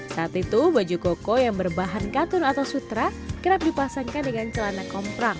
saat itu baju koko yang berbahan katun atau sutra kerap dipasangkan dengan celana komprang